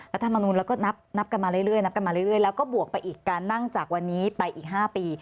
รัฐมนูลแล้วก็นับกันมาเรื่อยแล้วก็บวกไปอีกกันนั่งจากวันนี้ไปอีก๕ปี